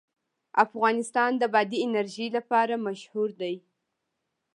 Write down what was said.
افغانستان د بادي انرژي لپاره مشهور دی.